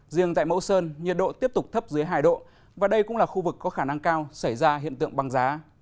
riêng tại mẫu sơn nhiệt độ tiếp tục thấp dưới hai độ và đây cũng là khu vực có khả năng cao xảy ra hiện tượng băng giá